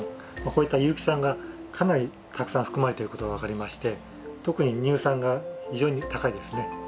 こういった有機酸がかなりたくさん含まれてることが分かりまして特に乳酸が非常に高いですね。